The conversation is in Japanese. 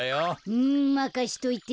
うんまかしといて。